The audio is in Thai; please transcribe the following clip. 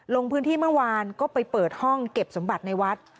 ลงพื้นที่เมื่อวานก็ไปเปิดห้องเก็บสมบัติในวัด